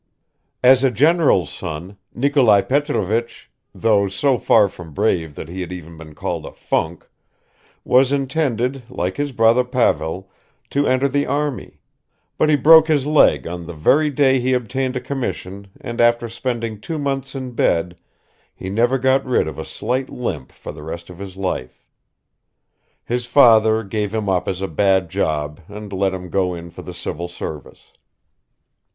As a general's son, Nikolai Petrovich though so far from brave that he had even been called a "funk" was intended, like his brother Pavel, to enter the army; but he broke his leg on the very day he obtained a commission and after spending two months in bed he never got rid of a slight limp for the rest of his life. His father gave him up as a bad job and let him go in for the civil service.